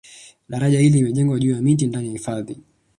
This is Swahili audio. Daraja hili limejengwa juu ya miti ndani ya hifadhi